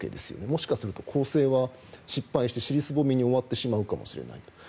もしかすると攻勢は失敗してしりすぼみに終わってしまうかもしれない。